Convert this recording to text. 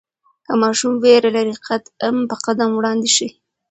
که ماشوم ویره لري، قدم په قدم وړاندې شئ.